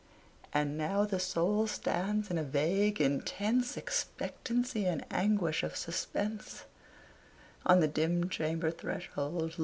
And now the Soul stands in a vague, intense Expectancy and anguish of suspense, On the dim chamber threshold